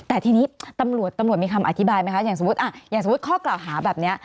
แต่ทีนี้ตำรวจมีคำอธิบายไหมคะอย่างสมมุติอย่างสมมุติข้อกล่าวหาแบบนี้